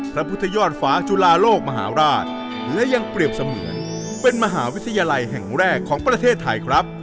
พระพุทธยอดฟ้าจุลาโลกมหาราชและยังเปรียบเสมือนเป็นมหาวิทยาลัยแห่งแรกของประเทศไทยครับ